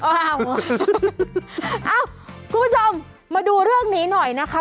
เอ้าคุณผู้ชมมาดูเรื่องนี้หน่อยนะคะ